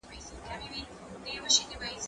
موسيقي د زهشوم له خوا اورېدلې کيږي؟